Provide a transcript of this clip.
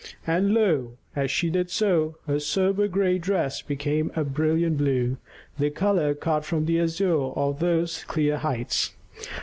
And lo! as she did so, her sober gray dress became a brilliant blue, the color caught from the azure of those clear heights.